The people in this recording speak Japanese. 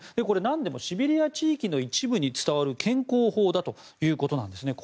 これはなんでもシベリア地域の一部に伝わる健康法だということです。